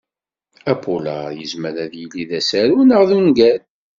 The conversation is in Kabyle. Apulaṛ yezmer ad yili d asaru neɣ d ungal.